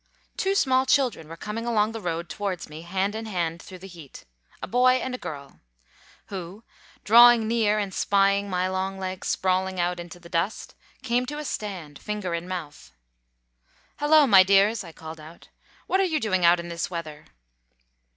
Two small children were coming along the road towards me, hand in hand, through the heat a boy and a girl; who, drawing near and spying my long legs sprawling out into the dust, came to a stand, finger in mouth. "Hullo, my dears!" I called out, "what are you doing out in this weather?"